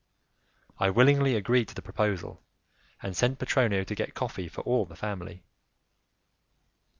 I willingly agreed to the proposal, and sent Petronio to get coffee for all the family.